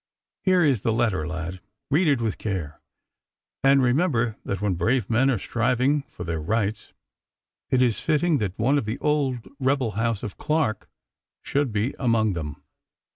Here is the letter, lad. Read it with care, and remember that when brave men are striving for their rights it is fitting that one of the old rebel house of Clarke should be among them.